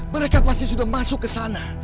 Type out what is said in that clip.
mereka pasti sudah masuk ke sana